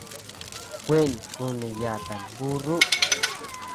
Kuin kuneyatad burru.